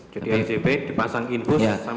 jadi rgp dipasang infus sama oksigen